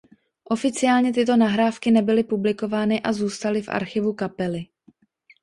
Oficiálně tyto nahrávky nebyly publikovány a zůstaly v archivu kapely.